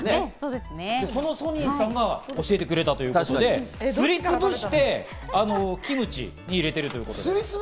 そのソニンさんが教えてくれたということで、すりつぶしてキムチに入れている。